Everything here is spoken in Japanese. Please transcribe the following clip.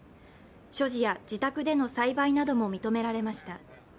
所持や自宅での栽培なども認められました。